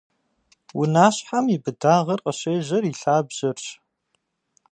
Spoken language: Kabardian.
Унащхьэм и быдагъыр къыщежьэр и лъабжьэрщ.